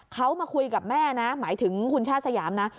เขามาคุยกับแม่นะหมายถึงคุณชาติสยามนะ